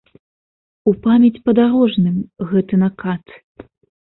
У памяць падарожным гэты накат.